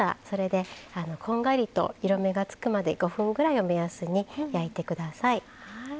それでこんがりと色目が付くまで５分ぐらいを目安に焼いて下さい。